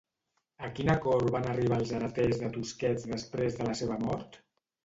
A quin acord van arribar els hereters de Tusquets després de la seva mort?